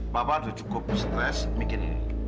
bapak tuh cukup stres begini